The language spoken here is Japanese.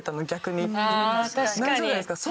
なりそうじゃないですか。